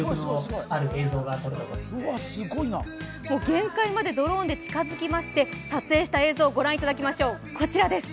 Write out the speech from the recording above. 限界までドローンで近づきまして撮影した映像を御覧いただきましょう、こちらです。